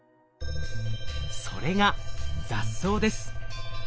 それが雑草です。